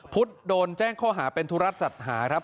พุทธโดนแจ้งข้อหาเป็นธุระจัดหาครับ